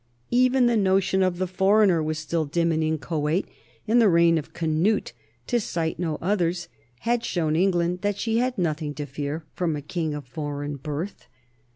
Even the notion of the foreigner was still dim and inchoate, and the reign of Canute, to cite no others, had shown England that she had nothing to fear from a king of foreign birth.